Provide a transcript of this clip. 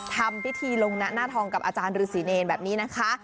ทำพิธีลงนะหน้าทองกับอาจารย์ฤษีเนรแบบนี้นะคะ